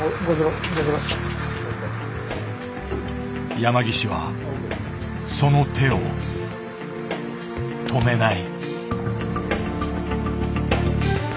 山岸はその手を止めない。